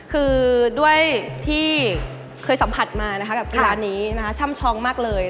คือด้วยที่เคยสัมผัสมานะคะกับที่ร้านนี้นะคะช่ำช้องมากเลย